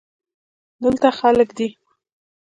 دلته خلگ دی.